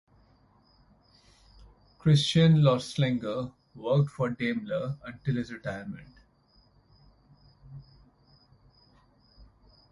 Christian Lautenschlager worked for Daimler until his retirement.